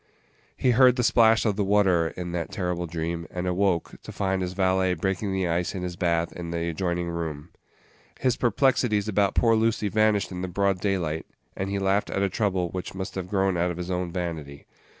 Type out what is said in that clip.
He heard the splash of the water in that terrible dream, and awoke, to find his valet breaking the ice in his bath in the adjoining room. His perplexities about poor Lucy vanished in the broad daylight, and he laughed at a trouble which must have grown out of his own vanity.